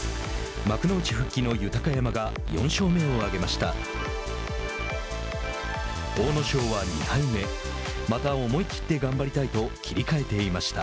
幕内復帰の豊山が４勝目を挙げました。